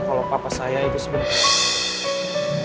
kalau papa saya itu sebenarnya